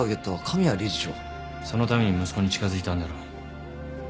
そのために息子に近づいたんだろう。